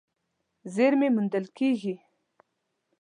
زېرمې موندل کېږي.